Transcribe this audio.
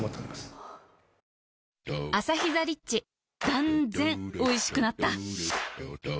断然おいしくなった